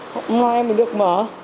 hôm nay mình được mở